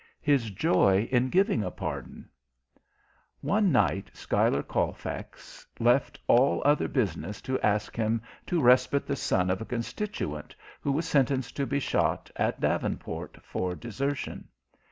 HIS JOY IN GIVING A PARDON One night Schuyler Colfax left all other business to ask him to respite the son of a constituent, who was sentenced to be shot, at Davenport, for desertion.